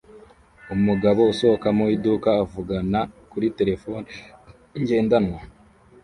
Umugabo usohoka mu iduka avugana kuri terefone ngendanwa